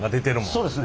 そうですね。